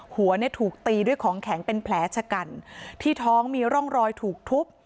หัวเนี่ยถูกตีด้วยของแข็งเป็นแผลชะกันที่ท้องมีร่องรอยถูกทุบ